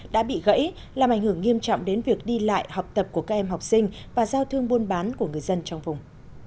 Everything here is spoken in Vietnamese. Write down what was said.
đã bị gãy làm ảnh hưởng nghiêm trọng đến việc đi lại học tập của các em học sinh và giao thương buôn bán của người dân trong vùng